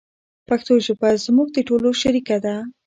پښتو ژبه زموږ د ټولو شریکه ده.